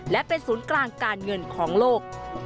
และเป็นศูนย์กลางการเงินของโลก